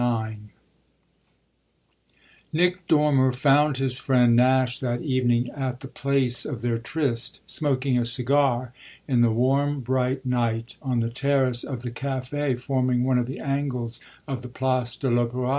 IX Nick Dormer found his friend Nash that evening at the place of their tryst smoking a cigar, in the warm bright night, on the terrace of the café forming one of the angles of the Place de l'Opéra.